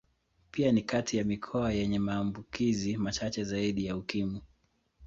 Pia ni kati ya mikoa yenye maambukizi machache zaidi ya Ukimwi.